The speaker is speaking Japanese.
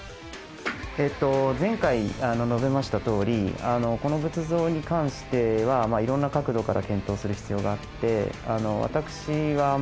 前回述べましたとおりこの仏像に関してはいろんな角度から検討する必要があって。